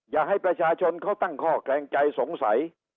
อย่าให้ประชาชนเขาตั้งข้อแขลงใจสงสัย